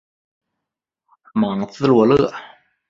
马兹罗勒。